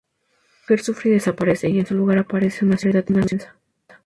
La mujer sufre y desaparece, y en su lugar aparece una ciudad inmensa.